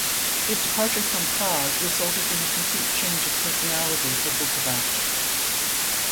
His departure from Prague resulted in a complete change of personality for Bukovac.